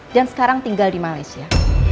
dan sekarang tinggal di malaysia